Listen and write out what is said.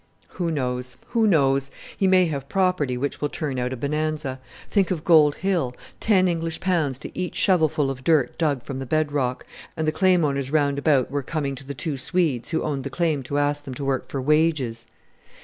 "Who knows, who knows! He may have property which will turn out a Bonanza; think of Gold Hill ten English pounds to each shovelful of dirt dug from the bed rock, and the claim owners round about were coming to the two Swedes who owned the claim to ask them to work for wages!"